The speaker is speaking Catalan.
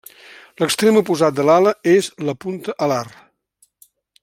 L'extrem oposat de l'ala és la punta alar.